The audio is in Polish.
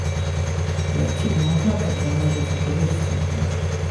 Lecz można także mierzyć i korzyści